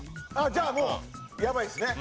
じゃあもうやばいっすね。